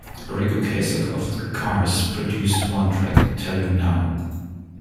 Ric Ocasek of the Cars produced one track, Tell You Now.